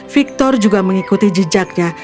victor juga mengikuti jejaknya